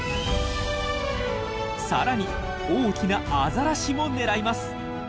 更に大きなアザラシも狙います。